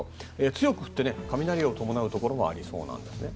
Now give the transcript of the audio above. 強く降って雷を伴うところもありそうです。